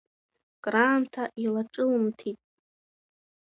Краамҭа илаҿылымҭит.